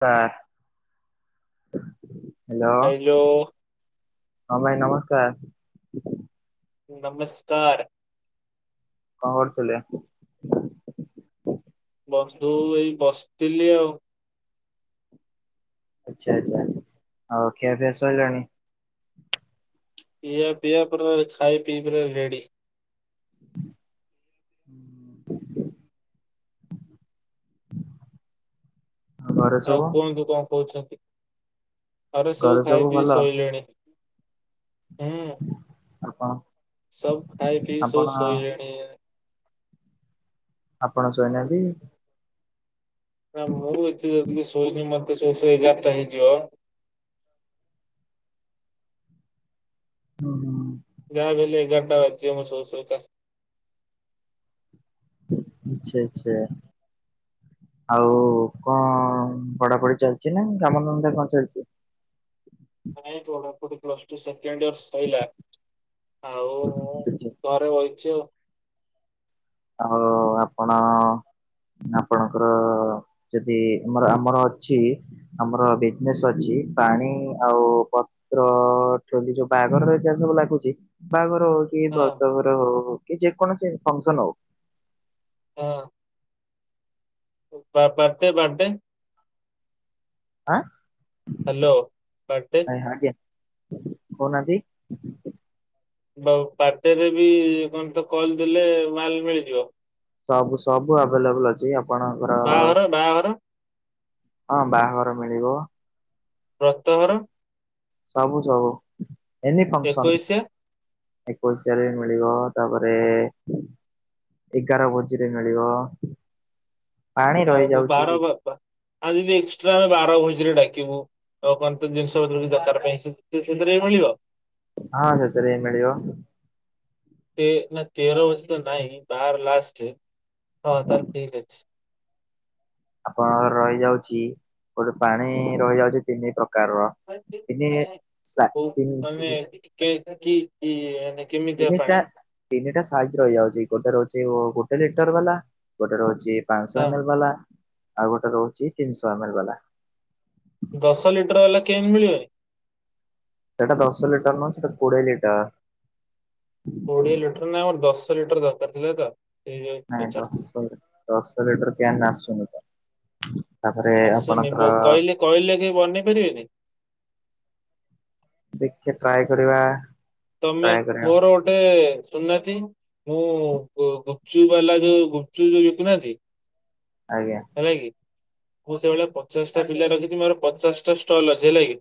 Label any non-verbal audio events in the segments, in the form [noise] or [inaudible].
ପା hello. Hello ହଁ ଭାଇ ନମସ୍କାର। ନମସ୍କାର। କଣ କରୁଥିଲି? ବସୁ ଏଇ ବସିଥିଲି ଆଉ। ଆଚ୍ଛା ଆଚ୍ଛା ଆଉ ଖିଆ ପିଆ ସଇଲାଣି? ଖିଆ ପିଆ ପୁରା ଖାଇ ପିଇ ପୁରା ରେଡି। ହ [inaudible] ଆଉ ଘରେ ଆଉ ସବୁ କୁହନ୍ତୁ କଣ କହୁଚନ୍ତି? ଆରେ ସବୁ ଘରେ ଖାଇ ପିଇ ଭଲ ଶୋଇଲେଣି ହୁଁ। ଆପଣ? ସବୁ ଖାଇ ପିଇ ଆପଣ ସବୁ ଶୋଇଲେଣି। ଆପଣ ଶୋଇନାହାଁନ୍ତି? ନା ମୁଁ ଏତେ ଯଦି ଶୋଇନି ମତେ ଶୋଉଶୋଉ ଏଗାରଟା ହେଇଯିବ। ହୁଁ ହୁଁ। ଯାହାବି ହେଲେ ଏଗାରଟା ବାଜି ମୁଁ ଶୋଉ ଶୋଉକା। ଆଚ୍ଛା ଆଛା ଆଉ। ଓହୋ। କଣ ପଢ଼ା ପଢ଼ି ଚାଲିଚି ନା କାମଧନ୍ଦା କଣ ଚାଲିଚି? ନାଇଁ ପଢ଼ା ପଢି ପ୍ଲସ ଟୁ ସେକେଣ୍ଡୟର ସଇଲା। ଆଉ ଚାଲିଛି? ଘରେ ବହିଚି ଆଉ। ଆଉ ଆପଣ ଆପଣଙ୍କର ଯଦି ଆମର ଆମର ଅଛି ଆମର ବିଜେନେସ୍ ଅଛି ପାଣି ଆଉ ତ୍ର ଯୋଉ [unintelligible] ବାହାଘରରେ ଯାହା ସବୁ ଲାଗୁଚି ବାହାଘର ହ କି ହଁ ବତ୍ରଘର ହଉ କି ଯେକୌଣସି ଫଙ୍କସନ ହଉ ହଁ। ଉବା ବାଡେ ବାଡେ [unintelligible] ଆଁ ହାଲୋ ବାଡେ ଆ ଆ୍ଞା କହୁ ନାହାନ୍ତି? ବାଉ ବଡେରେବି କଣ ତ କହିଦେଲେ ମାଲ ମିଳିଯିବ? ସବୁ ସବୁ ଆଭେଲେବୁଲୁ ଅଛି ଆପଣଙ୍କର ବାହାଘର ବାହାଘର ହଁ ବାହାଘର ମିଳିବ। ବ୍ରତ ଘର? ସବୁ ସବୁ ଏନି ଫଙ୍କସନ୍। ଏକୋଇଶିଆ ଏକୋଇଶାରେମିଳିବ ତାପରେ ଏଗାର ଭୋଜିରେ ମିଳିବ। ପାଣି ଆଉ ରହିଯାଉଛି ବାର ବା ଆ ଯଦି ଏକ୍ସଟ୍ରା ବାର ଭୋଜିରେ ଡାକିବୁ। ଆଉ କଣ ତୋ ଜିନିଷପତ୍ର ଦରକାର ପାଇଁ ସେଥିରେ ବି ମିଳିବ। ହଁ ସେଥିରେବି ମିଳିବ। ତେ ନା ତେର ଭୋଜି ତ ନାଇଁ ବାର ଲାଷ୍ଟରେ ହଁ ତାହେଲେ ଠିକି ଅଛି। ଆପଣଙ୍କ ରହିଯାଉଚି ଗୋଟେ ପାଣି ରହିଯାଉଚି ତିନି ପ୍ରକାରର ଅଛି। ତିନି କୋଉ ମାନେ ତିନି କେ କି କିଏ ତିନିଟା ତିନିଟା ସାଇଜ ରହିଯାଉଛି ଗୋଟେ ରହୁଛି ଗୋଟେ ଲିଟର ବାଲା ଗୋଟେ ରହୁଛି ପାଞ୍ଚଶହ ହଁ ଏମଏଲ ବାଲା ଆଉ ଗୋଟେ ରହୁଛି ତିନିଶହ ଏମଏଲ ବାଲା। ଦଶ ଲିଟର ହେଲା କେନ୍ ମିଳିବନି। ସେଇଟା ଦଶ ଲିଟର ନୁହଁ ସେଟା କୋଡିଏ ଲିଟର। କୋଡିଏ ଲିଟର ନାଇଁ ମୋର ଦଶ ଲିଟର ଦରକାର ଥିଲା ତ। ସେଇ ନାଇଁ ପଚାରୁଥିଲି। ଦଶ ଦଶ ଲିଟର କେନ୍ ଆସୁନି ତ। ତାପରେ ଆସୁନି ବ ଆପଣଙ୍କର କହିଲେ କହିଲେ କେହି ବନେଇ ପାରିବେନି। ଦେଖେ ଟ୍ରାଏ କରିବା। ତମେ ଟ୍ରାଏ କରିବା ମୋର ଗୋଟେ ଶୁଣୁନାହାନ୍ତି ମୁଁ ଗୁପଚୁପ ବାଲା ଯୋଉ ଗୁପଚୁପ ଯୋଉ ବିକୁନାହାନ୍ତି? ଆଜ୍ଞା। ହେଲା କିି ମୁଁ ସେଇଭଳିଆ ପଚାଶଟା ପିଲା ରଖିଛି ମୋର ପଚାଶଟା ଷ୍ଟଲ୍ ଅଛି ହେଲା କି?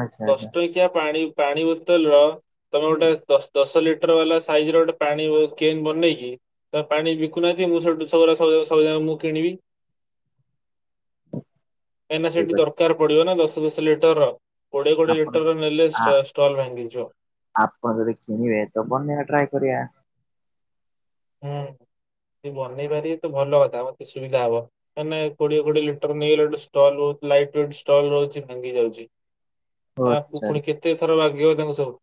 ଆଚ୍ଛା ଆଚ୍ଛା ଦଶ ଟଙ୍କିଆ ପାଣି ପାଣି ବୋତଲର ତମେ ଗୋଟେ ଦଶ ଲିଟର ବାଲା ସାଇଜ ର ଗୋଟେ ପାଣି କେନ୍ ବନେଇକି ତା ପାଣି ବିକୁନାହାନ୍ତି ମୁଁ ସେଇଠୁ ସବୁରା ସ ସବୁରା ମୁଁ କିଣିବି କାଇଁନା ଠିକ ସେଇଠି ଅଛି ଦରକାର ପଡିବ ନା ଦଶ ଦଶ ଲିଟର କୋଡିଏ କୋଡିଏ ଆପଣ ଲିଟର ନେଲେ ଆ ଷ୍ଟଲ ଭାଙ୍ଗିଯିବ। ଆପଣ ଯଦି କିଣିବେ ତ ବନେଇବା ଟ୍ରାଏ କରିବା। ହୁଁ ଯଦି ବନେଇ ପାରିବେ ତ ଭଲ କଥା ମତେ ସୁବିଧା ହବ। ମାନେ କୋଡିଏ କୋଡି ଲିଟର ନେଇଗଲାଟୁ ଷ୍ଟଲ ରହୁଛି [unintelligible] ଭାଙ୍ଗି ଯାଉଛି। ଓ ଆ ଆଚ୍ଛା ପୁଣି କେତେ ଥର ବାଗେଇବ ତାକୁ ସବୁ।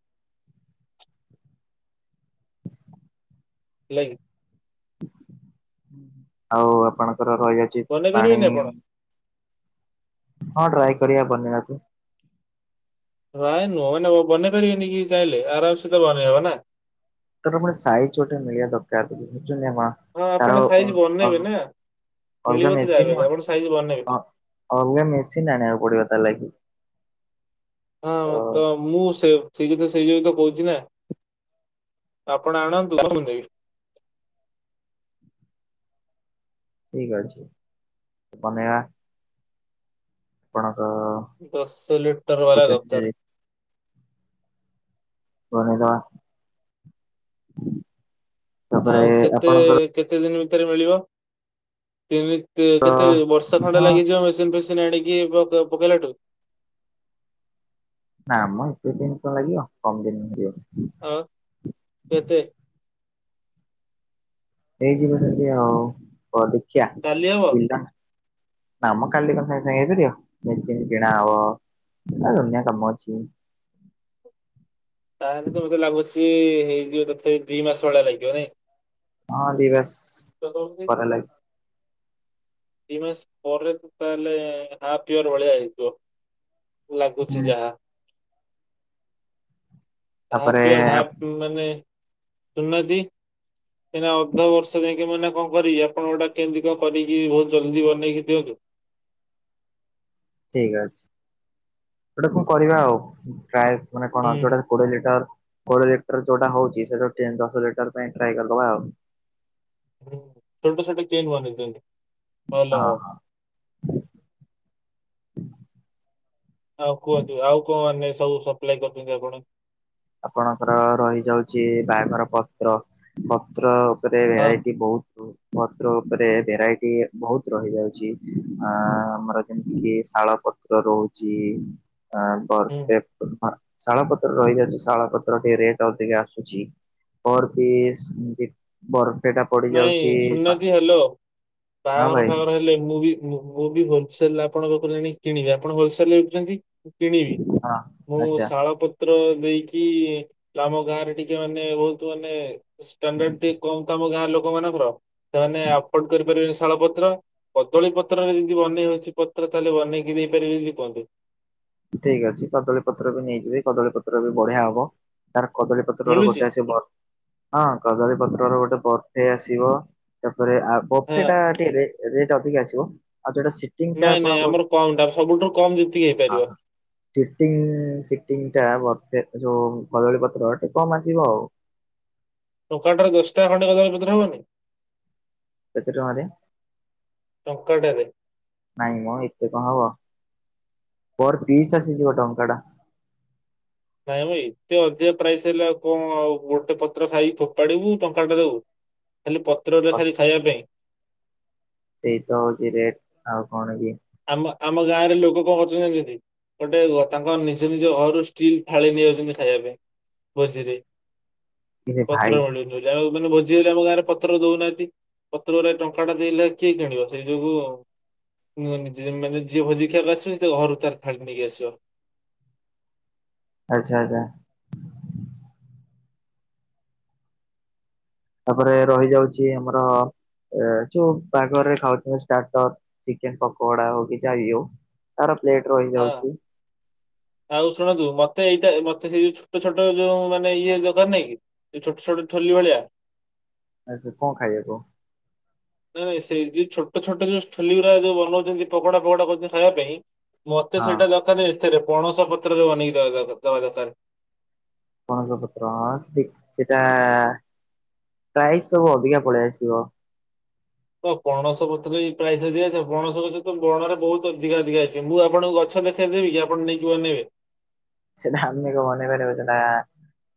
ହେଲାକି। ଆଉ ଆପଣଙ୍କର ରହିଯାଉଛି ବନେଇ ପାଣି। ପାରିବେନି ଆପଣ? ହଁ ଟ୍ରାଏ କରିବା ବନେଇବାକୁୁ। ନାଇ ନୁହଁ ମାନେ ବନେଇ ପାରିବେନି କି ଚାହିଁଲେ ଆରାମ ସେ ବନେଇହବ ନା? ତା ପରେ ସାଇଜ୍ ଛୋଟ ମିଳିବା ଦରକାର ବୁଝୁଛନ୍ତି ଆପଣ? ହଁ ଆପଣ କାର ସାଇଜ ବନେଇବେ ନା ମିଳିବ ତ ମେସି ଯାହାବି ହେଲେ [unintelligible] ଆପଣ ସାଇଜ ବନେଇବେ। ଅଲଗା ମେସିନ୍ ଆଣିବାକୁ ପଡିବ ତା ଲାଗି। ହଁ, ତ ମୁଁ ସେ ସେଇ ଯେତ ସେଇ ଯତ କହୁଛି ନା। [unintelligible] ଆପଣ ଆଣନ୍ତୁ କଣି ଠିକ ଅଛି। ବନେଇବା। ଆପଣଙ୍କ ଦଶ ଲିଟର ବାଲା କହୁଛନ୍ତି ଦରକାର। ଯଦି କରେଇଦେବା। ଆଉ କେତେ କେତେ ଦିନ ଭିତରେ ମିଳିବ ତିନି? ତ କେତେ ବର୍ଷେ ଖଣ୍ଡ ହଁ ଲାଗିଯିବ ମେସିନ ଫେସିନ୍ ଆଣିକି ପକେଇଲାଠୁ? ନା ମ ଏତେ ଦିନ କଣ ଲାଗିବ କମ ଦିନ ଲାଗିବ। ତ କେତେ? ହେଇଯିବା ସେଠି ଆଉ କଣ ଦେଖିଆ। କାଲି ହବ? [unintelligible] ନାମ କାଲି କ ସାଙ୍ଗେ ସାଙ୍ଗେ ହେଇରି ମେସିନ୍ କିଣା ଆବ [unintelligible] ଆ ଦୁନିଆ କାମ ଅଛି। ତାହେଲେ ତ ମତେ ଲାଗୁଛି ହେଇଯିବ ତଥାପି ଦି ମାସ ଭଳିଆ ଲାଗିବ ନାଇଁ। ଅଲ୍ ଦି ବେଷ୍ଟ୍ ତ [unintelligible] [inaudible] ମେ ମାସ୍ ପରେ ତାହଲେ ହାଫ ଇଅର୍ ଭଳିଆ ହେଇଥିବ। ଲାଗୁଛି ଲାଗି ଯାହା। ତାପରେ ହପ ଇଅର୍ ହପ ମାନେ ସୁଣୁନାହାନ୍ତି କାଁହିକିନା ଅଧ ବର୍ଷ ଯାଇକି ମୁଁ ଏଇନା କଣ କରିବି ଆପଣ ଗୋଟା କେମିତି କ କରିକି ବହୁତ ଜଲ୍ଦି ବନେଇି ଦିଅନ୍ତୁ। ଠିକ୍ ଅଛି ଗୋଟା କଣ କରିବା ଆଉ ଟ୍ରାଏ ମାନେ ହୁଁ କଣ ହୁଁ ଯୋଉଟା କୋଡିଏ ଲିଟର କୋଡିଏ ଲିଟର ଯୋଉଟା ହଉଛି ସେଇଟାକୁ ଦଶ ଲିଟର ପାଇଁ ଟ୍ରାଏ କରିଦବା ଆଉ ଛୋଟ ଛୋଟ କେନ୍ ବନେଇଛନ୍ତି ହଁ ଭଲ ହବ ହଁ ଆଉ କୁହନ୍ତୁ ଆଉ କଣ ମାନେ ସବୁ ସପ୍ଲାଏ କରୁଛନ୍ତି ଆପଣ ଆପଣଙ୍କର ରହିଯାଉଛି ବାହାଘର ପତ୍ର ପତ୍ର ରେ ହଁ ଭେରାଇଟି ବହୁତ ପତ୍ର ଉପରେ ଭେରାଇଟି ବହୁତ ରହି ଯାଉଛି ଆ ଆମର ଯେମିତି କି ଶାଳ ପତ୍ର ରହୁଛି ହୁଁ ବଫ ଶାଳ ପତ୍ର ରହିଯାଉଛି ଶାଳ ପତ୍ର ଟିକେ ରେଟ୍ ଅଧିକା ଆସୁଛି ପର୍ ପିସ୍ ବରଫେଟା ପ ନାଇଁ ଶୁଣୁନାହାନ୍ତି ହ୍ୟାଲୋ ହଁ ବାହାଘର ଭାଇ ଫାଘର ହେଲେ ମୁଁ ବି ମୁଁ ବି ହୋଲସେଲରେ ଆପଣଙ୍କ ପାଖରୁ ଆଣି କିଣିବି ଆପଣ ହୋଲସେଲ ବିକୁଛନ୍ତି। କିଣିବି ହଁ। ମୁଁ ଆଚ୍ଛା ଶାଳପତ୍ ପତ୍ର ଦେଇକି ଆମ ଗାଁରେ ଟିକେ ମାନେ ବହୁତ ମାନେ ଷ୍ଟାଣ୍ଡାର୍ଡ ଟିକେ କମ୍ ଆମ ଗାଁ ଲୋକମାନଙ୍କର ସେମାନେ ଆଫୋର୍ଡ କରିପାରିବେନି ଶାଳପତ୍ର। କଦଳୀ ପତ୍ରରେ ଯଦି ବନେଇ ହଉଛି ପତ୍ର ତାହେଲେ ବନେଇକି ଦେଇ ପାରିବେ ଯଦି କୁହନ୍ତୁ। ଠିକ୍ ଅଛି କଦଳୀ ପତ୍ର ବି ନେଇଯିବି କଦଳୀ ପତ୍ର ବି ବଢିଆ ହବ। ତାର କଦଳୀପତ୍ରର ମିଳୁଛି? ଗୋଟେ ଅଛି ମୋର। ହଁ କଦଳୀ ପତ୍ରର ଗୋଟେ ବଫେ ଆସିବ ତାପରେ ଆଉ ହଁ ବଫେ ଟା ଟିକେ ରେଟ୍ ରେଟ୍ ଅଧିକ ଆସିବ ଆଉ ଯୋଉଟା ସିଟିଂ ଟା ନାଇଁ ନାଇଁ ଆମର କମ୍ ଟା ସବୁଠୁ କମ୍ ଜ ହଁ ହଁ ଯେତିକି ସିଟିଙ୍ଗି ଟା ବଫେ ଠୁ କଦଳୀ ପତ୍ର ଟିକେ କମ୍ ଆସିବ ଆଉ ଦୋକାନଟାରେ ଦଶଟା ଖଣ୍ଡେ କଦଳି ପତ୍ର ହବନି କେତେ ଟଙ୍କାରେ ଟଙ୍କାଟାରେ। ନାଇଁ ମ ଏତେ କଣ ହବ ପର୍ ପିସ୍ ଆସିଯିବ ଟଙ୍କା ଟା ନାଇଁ ଭାଇ ଏତେ ଅଧିକା ପ୍ରାଇସ୍ ହେଲେ ଆଉ କଣ ଆଉ ଗୋଟେ ପତ୍ର ଖାଇକି ଫୋପାଡିବୁ ଟଙ୍କା ଟା ଦବୁ ଖାଲି ପତ୍ରରେ ଖାଲି ଖାଇବା ପାଇଁ ଏଇତ ହଉଛି ରେଟ୍ ଆଉ କଣ କି ଆମ ଆମ ଗାଁରେ ଲୋକ କଣ କରୁଛନ୍ତିି ଯାଣିଛନ୍ତି। ଗୋଟେ ଗ ତାଙ୍କ ନିଜ ନିଜ ଘରୁ ଷ୍ଟିଲ୍ ଥାଳି ନେଇଆଉଛନ୍ତି ଖାଇବା ପାଇଁ। ଭୋଜିିରେ ଇରେ ଭାଇ ପତ୍ରଭଳି ଯାହା ହଉଥିଲେ ଭୋଜିହେଲେ ଆମ ଗାଁରେ ପତ୍ର ଦଉନାହାନ୍ତି। ପତ୍ରରେ ଟଙ୍କା ଟା ଦେଲେ ଆଉ କିଏ କିଣିବ ସେଇ ଯୋଗୁଁ ମାନେ ଯିଏ ମାନେ ଯିଏ ଭୋଜି ଖାଇବାକୁ ଆସିବ ସେ ତା ଘରୁ ତାର ଥାଳି ନେଇକି ଆସିବ। ଆଚ୍ଛା ଆଚ୍ଛା। ତାପରେ ରହି ଯାଉଛି ଆମର ଏ ଯୋଉ ବାହାଘରେ ଖାଉଚନ୍ତି ଷ୍ଟାର୍ଟର ଚିକେନ ପକୋଡା ହୋଉ କି ଯାହି ବି ହୋଉ। ତାର ପ୍ଲେଟ ହଁ ରହିଯାଉଚି। ଆଉ ଶୁଣନ୍ତୁ ମତେ ଏଇଟା ମତେ ସେଇ ଯୋଉ ଛୋଟ ଛୋଟ ଯୋଉ ମାନେ ଇଏ ଦୋକାନ ନାଇଁ କି। ଏଇ ଛୋଟ ଛୋଟ ଠୋଲି ଭଳିଆ। ଆଚ୍ଛା କଣ ଖାଇବା କ‌ଅ? ନାଇଁ ନାଇଁ ସେ ଯୋଉ ଛୋଟ ଛୋଟ ଯୋଉ ଷ୍ଠୋଲିଉରା ଯୋଉ ବନୋଉଚନ୍ତି ପକୋଡା ଫକୋଡା କରୁଚନ୍ତି ଖାଇବା ପାଇଁ। ମତେ ହଁ ସେଇଟା ଦରକାର ଏଥିରେ ପଣସ ପତ୍ରରେ ବନେଇକି ଦବା ଦରକା ଦବା ଦରକାର। ପଣସ ପତ୍ର ହଁ ସେ-ସେଟା ପ୍ରାଇସ ସବୁ ଅଧିକା ପଳେଇ ଆସିବ। ତ ପଣସ ପତ୍ରର ବି ପ୍ରାଇସ ଅଧିକ ଥାଏ। ପଣସ ପତ୍ର ତ ବଣରେ ବୋହୁତ ଅଧିକା ଅଧିକା ଅଛି। ମୁଁ ଆପଣଙ୍କୁ ଗ ଛ ଦେଖେଇ ଦେବି କି ଆପଣ ନେଇକି ବନେଇବେ? ସେଟାଃ ଆମ କଣ ବନେଇ ପାରିବୁ। ସେଟା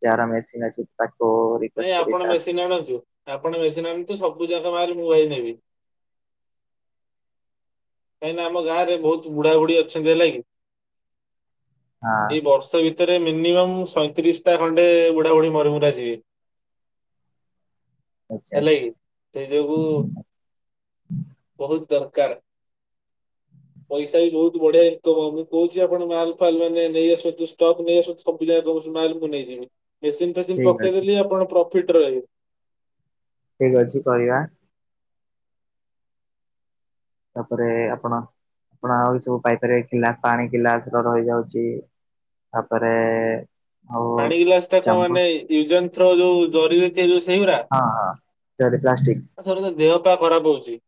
ଯାହାର ମେସିନ୍ ଅଛି ତାକୁ ନାଇଁ ରିକ୍ୱେଷ୍ଟ କରି ଆପଣ ତାର ମେସିନ୍ ଆଣନ୍ତୁ। ଆପଣ ମେସିନ୍ ଆଣନ୍ତୁ ସବୁ ଯାକ ମାଲ୍ ମୁଁ ଭାଇ ନେବି। କାହିଁକିନା ଆମ ଗାଁରେ ବୋହୁତ ବୁଢା ବୁଢୀ ଅଛନ୍ତି ହେଲା କିି, ହଁ ଏଇ ବର୍ଷ ଭି ତରେ ମିନିମମ୍ ସଇଁତିରିଶଟା ଖଣ୍ଡେ ବୁଢା ବୁଢୀ ମରି ମୁରା ଯିବେ। ଆଚ୍ଛା ହେଲେ ଆଚ୍ଛା କି ସେଇ ଯୋଗୁ ବୋହୁତ ଦରକାର। ପଇସା ବି ବୋହୁତ ବଢିଆ ଇନକମ୍ ହବ। ମୁଁ କୋହୁଚି ଆପଣ ମାଲ୍ ଫାଲ୍ ମାନେ ନେଇ ଆସନ୍ତୁ ଷ୍ଟକ ନେଇ ଆସ ସବୁ ଯାକ [unintelligible] ମାଲ୍ ମୁଁ ନେଇଯିବି। ମେସିନ୍ ଫେସିନ୍ ଠିକ ଅଛି ପକେଇଦେଲି ଆପଣ ପ୍ରଫିଟ୍ ରହିବେ। ଠିକ୍ ଅଛି କରିବା। ତାପରେ ଆପଣ, ଆପଣ ଆହୁରି ସବୁ ପାଇ ପାରିବେ ଗିଲା ପାଣି ଗିଲାସ ର-ରହି ଯାଉଚି। ତାପରେ ଆଉ ପାଣି ଗିଲାସଟା ତ ଚାମଚ ମାନେ ୟୁଜ ଆଣ୍ଡ ଥ୍ରୋ ଯୋଉ ଜରିରେ ତିଆରି ହୁଏ ସେଇଗୁରା। ହଁ ହଁ ଟେରି ପ୍ଲାଷ୍ଟିକ। ଆ ସରଜ [unintelligible] ଦେହ ପା ଖରାପ ହୋଉଚି।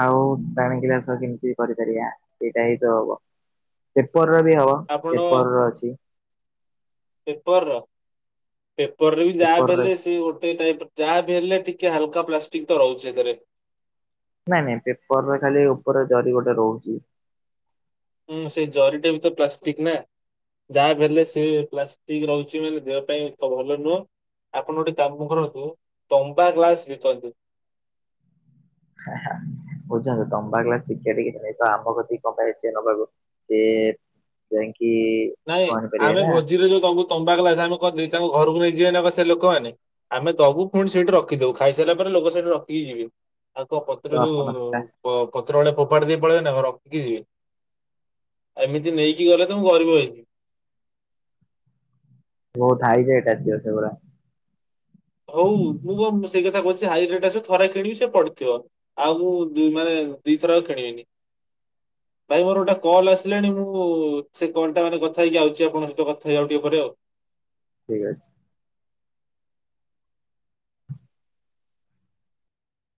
ଆଉ ପାଣି ଗ୍ଲାସ କେମିତି କରିପାରିବା। ସେଇଟା ହିଁ ତ ହବ ପେପରରେ ବି ହବ। ଆପଣ ପେପରର ଅଛି। ପେପର ର ପେପରରେ ବି ଯାହା ପେପରରେ କଲେ ସେ ଗୋଟେ ଟାଇପ ଯାହା ବି ହେଲେ ଟିକେ ହାଲକା ପ୍ଲାଷ୍ଟିକ ତ ରହୁଚି ହେଥେରେ। ନାଇଁ ନାଇଁ ପେପରରେ ଖାଲି ଓପରେ ଜରି ଗୋଟେ ରହୁଚି। ହୁଁ ସେଇ ଜରିଟା ବି ତ ପ୍ଲାଷ୍ଟିକ ନା। ଯାହା ବି ହେଲେ ସେ ପ୍ଲାଷ୍ଟିକ ରହୁଚି ମାନେ ଦେହ ପାଇଁ ତ ଭଲ ନୁହଁ। ଆପଣ ଗୋଟେ କାମ କରନ୍ତୁ ତମ୍ବା ଗ୍ଲାସ ବିକନ୍ତୁ। ହାଁ ହାଁ। ବୁଝୁଚନ୍ତି ତମ୍ବା ଗ୍ଲାସ [unintelligible] ଆମ କତିକି କଂପାଇ ଆସିବେ ନବାକୁ। ସିଏ ଯାଇଁକିି ନାଇଁ ଆମେ ଭୋଜିରେ ଯୋଉ ଦୋବୁ ତମ୍ବା ଗ୍ଲାସ। ଆମେ କଣ ଦେଇ ତାଙ୍କ ଘରକୁ ନେଇ ଯିବେନା କଣ ସେ ଲୋକମାନେ। ଆମେ ଦୋବୁ ପୁଣି ସେଇଠି ରଖିଦୋବୁ। ଖାଇସାରିଲା ପରେ ଲୋକ ସେଇଠି ରଖିକି ଯିବେ। ଆଉ କଣ ପତ୍ର ତ ଆପଣ ଯୋଉ ସେଟା ପ-ପତ୍ର ଭଳିଆ ଫୋପାଡି ଦେଇ ପଳେଇବେ ନା କଣ ରଖିକି ଯିବେ। ଏମିତି ନେଇକି ଗଲେ ତ ମୁଁ ଗରିବ ହେଇଯି ବୋହୁତ ହାଇ ରେଟ୍ ଆସିବ ସେଗୁଡା। ହୋଉ ମୁଁ କଣ ସେଇ କଥା କୋହୁଚି ହାଇ ରେଟ୍ ଆସିବ ଥରେ କିଣିବି ସେ ପଡିଥିବ‌। ଆଉ ମୁଁ ଦୁଇ ମାନେ ଦିଇ ଥର ଆଉ କିଣିବିନି। ଭାଇ ମୋର ଗୋଟେ କଲ୍ ଆସିଲାଣି। ମୁଁ ସେ କଲ୍ ଟା ମାନେ କଥା ହେଇକି ଆଉଚି। ଆପଣଙ୍କ ସହିତ କଥା ହେବି ଆଉ ଟିକେ ପରେ ଆଉ। ଠିକ୍ ଅଛି।